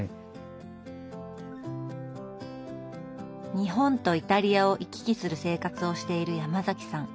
日本とイタリアを行き来する生活をしているヤマザキさん。